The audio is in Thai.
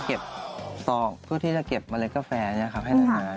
เก็บซอกเพื่อที่จะเก็บเมล็ดกาแฟนี้ครับให้นาน